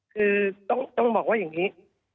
คือต้องบอกว่าอย่างนี้